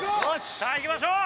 さあいきましょう！